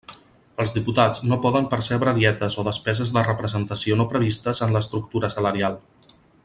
Els diputats no poden percebre dietes o despeses de representació no previstes en l'estructura salarial.